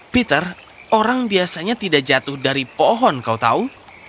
peter orang biasanya tidak jatuh dari pohon kau tahu